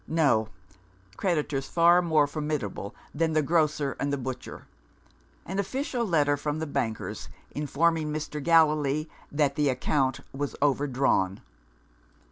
No: creditors far more formidable than the grocer and the butcher. An official letter from the bankers, informing Mr. Gallilee that "the account was overdrawn."